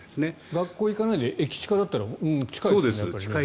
学校に行かないで駅近だったら近いですもんね。